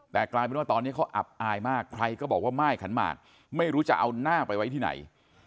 แต่กลายเป็นว่าตอนนี้เขาอับอายมากใครก็บอกว่าม่ายขันหมากไม่รู้จะเอาหน้าไปไว้ที่ไหน